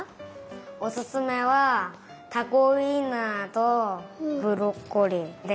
おすすめはたこウインナーとブロッコリーです。